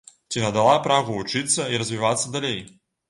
Ці надала прагу вучыцца і развівацца далей?